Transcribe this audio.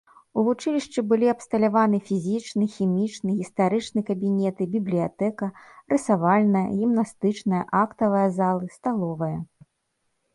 У вучылішчы былі абсталяваны фізічны, хімічны, гістарычны кабінеты, бібліятэка, рысавальная, гімнастычная, актавая залы, сталовая.